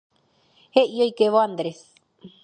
He'i oikévo Andrés.